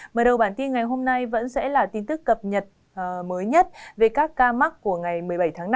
mở đầu bản tin ngày hôm nay vẫn sẽ là tin tức cập nhật mới nhất về các ca mắc của ngày một mươi bảy tháng năm